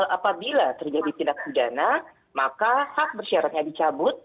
apabila terjadi tindak pidana maka hak bersyaratnya dicabut